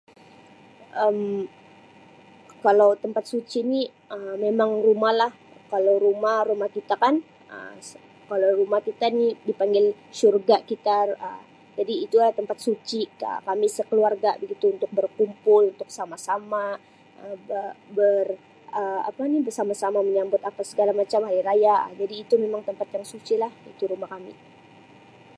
Um Kalau tempat suci ni Um memang rumah lah, kalau rumah, rumah kita kan Um sss-kalau rumah kita ni dipanggil syurga kita Um jadi itulah tempat suci Um kami sekeluarga begitu untuk berkumpul untuk sama-sama Um be-ber Um apa ni bersama-sama menyambut apa segala macam Um hari raya, jadi itu memang tempat yang suci lah, itu rumah kami.